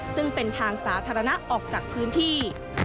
ซึ่งเป็นทางสาธารณะออกจากพื้นที่